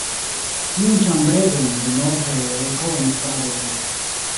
Tiun ĉambregon denove rekonis Fradeko.